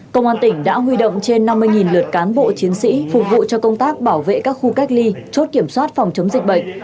các bộ chiến sĩ phục vụ cho công tác bảo vệ các khu cách ly chốt kiểm soát phòng chống dịch bệnh